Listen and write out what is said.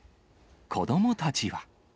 子どもたちは。